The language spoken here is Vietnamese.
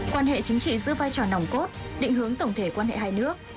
quan hệ chính trị giữ vai trò nòng cốt định hướng tổng thể quan hệ hai nước